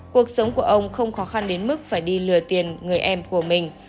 cuộc sống của ông không khó khăn đến mức phải đi lừa tiền người em của mình